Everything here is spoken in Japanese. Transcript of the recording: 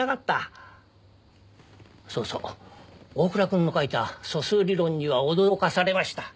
そうそう大倉くんの書いた素数理論には驚かされました。